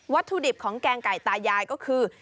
ถุดิบของแกงไก่ตายายก็คือ